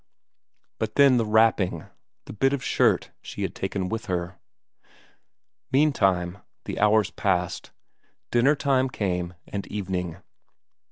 But then the wrapping the bit of shirt she had taken with her.... Meantime, the hours passed; dinner time came, and evening.